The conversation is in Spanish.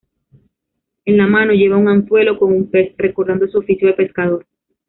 En la mano, lleva un anzuelo con un pez, recordando su oficio de pescador.